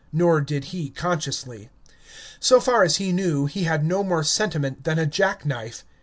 Nor did he consciously. So far as he knew, he had no more sentiment than a jack knife.